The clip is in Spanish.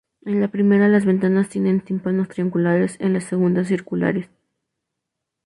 En la primera las ventanas tienen tímpanos triangulares y en la segunda circulares.